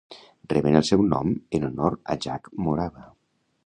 Reben el seu nom en honor a Jack Morava.